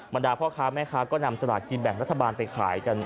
ดาพ่อค้าแม่ค้าก็นำสลากกินแบ่งรัฐบาลไปขายกัน